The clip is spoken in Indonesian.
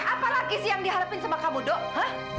apa lagi sih yang dihadapin sama kamu dok hah